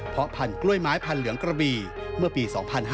เพราะพันธุ์กล้วยไม้พันเหลืองกระบี่เมื่อปี๒๕๕๙